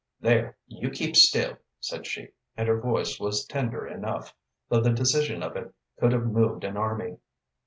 "There, you keep still!" said she, and her voice was tender enough, though the decision of it could have moved an army.